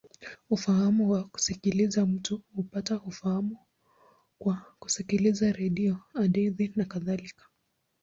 Ufahamu wa kusikiliza: mtu hupata ufahamu kwa kusikiliza redio, hadithi, nakadhalika.